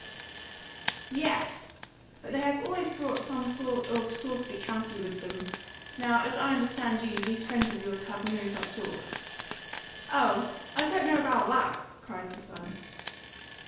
"Yes; but they have always brought some sort of sauce piquante with them. Now, as I understand you, these friends of yours have no such sauce." "Oh, I don't know about that!" cried the son.